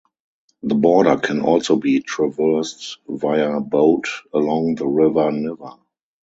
The border can also be traversed via boat along the river Niver.